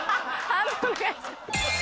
判定お願いします。